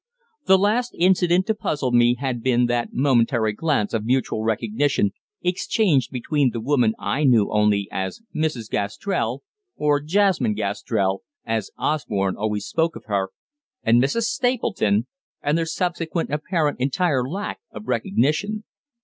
The last "incident" to puzzle me had been that momentary glance of mutual recognition exchanged between the woman I knew only as "Mrs. Gastrell" or "Jasmine Gastrell," as Osborne always spoke of her and Mrs. Stapleton, and their subsequent apparent entire lack of recognition.